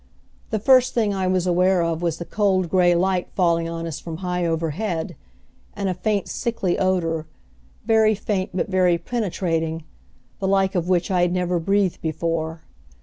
The first thing I was aware of was the cold gray light falling on us from high overhead, and a faint sickly odor, very faint but very penetrating, the like of which I had never breathed before.